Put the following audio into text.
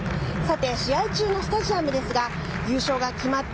試合中のスタジアムですが優勝が決まった